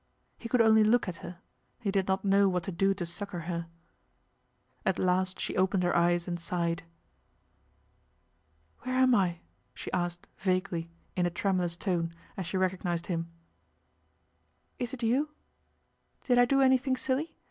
He could only look at her; he did not know what to do to succour her. At last she opened her eyes and sighed. 'Where am I?' she asked vaguely, in a tremulous tone as she recognized him. 'Is it you? Did I do anything silly?